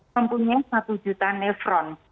mempunyai satu juta nefron